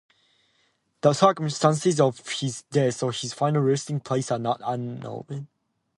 The circumstances of his death or his final resting place are not known.